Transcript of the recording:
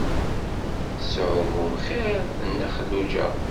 Tettɛumum xir n Nna Xelluǧa.